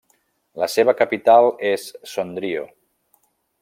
La seva capital és Sondrio.